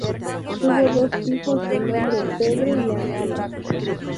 Tuvo dos hijos de nombre Pedro y Ángela.